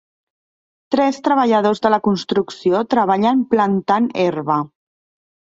Tres treballadors de la construcció treballen plantant herba